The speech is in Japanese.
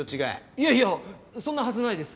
いやいやそんなはずないです。